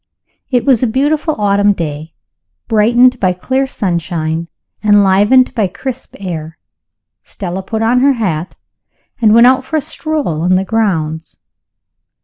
It was a beautiful autumn day, brightened by clear sunshine, enlivened by crisp air. Stella put on her hat and went out for a stroll in the grounds.